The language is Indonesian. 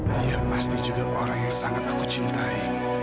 dia pasti juga orang yang sangat aku cintai